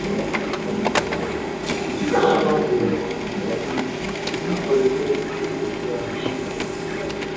Umukiza yarabahuguye ati "Ntimukorere ibyo kurya bishira,